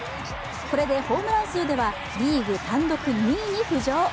これでホームラン数では、リーグ単独２位に浮上。